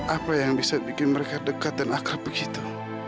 apa yang bisa bikin mereka dekat dan akrab begitu